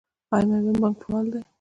آیا میوند بانک فعال دی؟